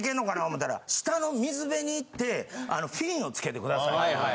思たら下の水辺に行ってフィンをつけてくださいと。